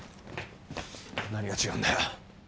何が違うんだよ？